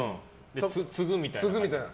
つぐみたいな。